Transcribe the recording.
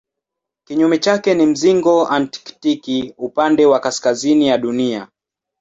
Kinyume chake ni mzingo antaktiki upande wa kaskazini ya Dunia.